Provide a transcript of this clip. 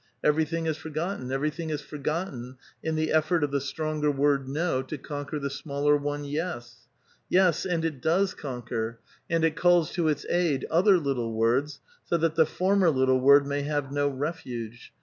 Everything is forgotten ; evei'y thing is for gotten in the effoit of the stronger word no to conquer the smaller one yes. Yes, and it does conquer, and it calls to its aid other little words, so that the former little word may have no refuge.